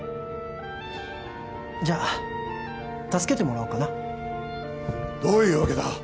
じゃあ助けてもらおうかなどういうわけだ？